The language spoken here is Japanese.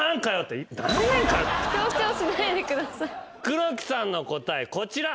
黒木さんの答えこちら。